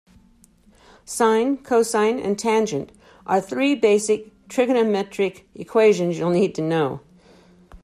Sine, cosine and tangent are three basic trigonometric equations you'll need to know.